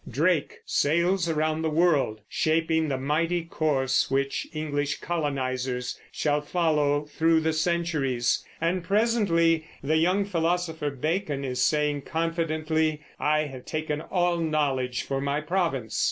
Drake sails around the world, shaping the mighty course which English colonizers shall follow through the centuries; and presently the young philosopher Bacon is saying confidently, "I have taken all knowledge for my province."